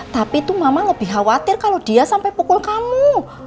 tapi tuh mama lebih khawatir kalau dia sampai pukul kamu